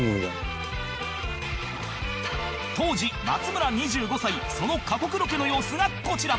当時松村２５歳その過酷ロケの様子がこちら